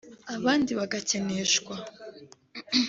abandi bagakeneshwa